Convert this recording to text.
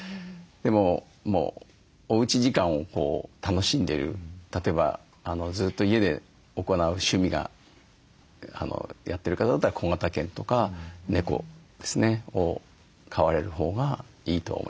でもおうち時間を楽しんでる例えばずっと家で行う趣味がやってる方だったら小型犬とか猫ですねを飼われるほうがいいとは思います。